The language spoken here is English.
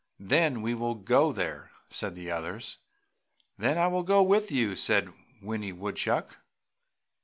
"Then we will go there!" said the others. "Then I will go with you!" said Winnie Woodchuck.